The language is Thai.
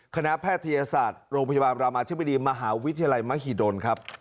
แพทยศาสตร์โรงพยาบาลรามาธิบดีมหาวิทยาลัยมหิดลครับ